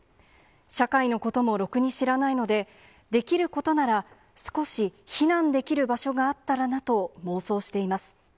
社会のこともろくに知らないので、できることなら少し避難できる場所があったらなと妄想しています。